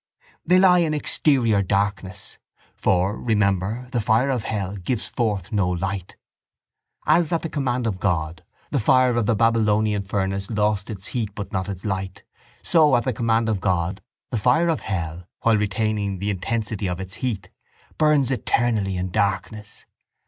—They lie in exterior darkness. For, remember, the fire of hell gives forth no light. As, at the command of God, the fire of the Babylonian furnace lost its heat but not its light so, at the command of God, the fire of hell, while retaining the intensity of its heat, burns eternally in darkness.